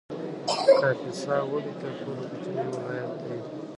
کاپیسا ولې تر ټولو کوچنی ولایت دی؟